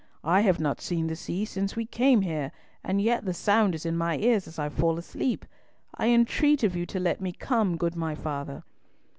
I have not seen the sea since we came here, and yet the sound is in my ears as I fall asleep. I entreat of you to let me come, good my father."